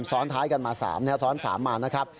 ซ้อนท้ายกันมา๓ซ้อน๓มานะครับ